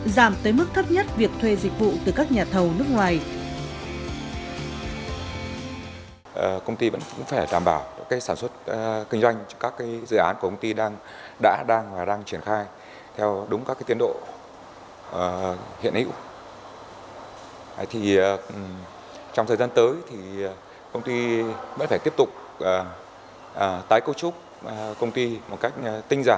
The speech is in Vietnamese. giảm tới mức thấp nhất việc thuê dịch vụ từ các nhà thầu nước ngoài